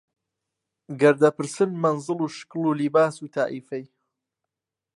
گەر دەپرسن مەنزڵ و شکڵ و لیباس و تائیفەی